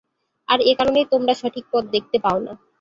আর এ কারণেই তোমরা সঠিক পথ দেখতে পাও না।